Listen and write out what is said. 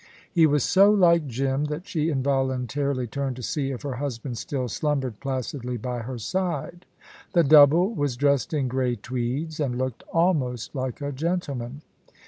He was so like Jim that she involuntarily turned to see if her husband still slumbered placidly by her side. The double was dressed in grey tweeds and looked almost like a gentleman.